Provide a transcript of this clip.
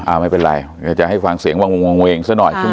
อ่าไม่เป็นไรเดี๋ยวจะให้ฟังเสียงวังเวงไว้เมนาวังเวงซะหน่อย